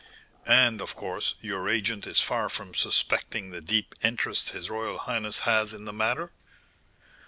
"And, of course, your agent is far from suspecting the deep interest his royal highness has in the matter?"